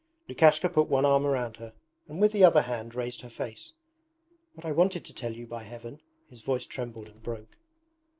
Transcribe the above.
Lukashka put one arm round her and with the other hand raised her face. 'What I wanted to tell you, by Heaven!' his voice trembled and broke.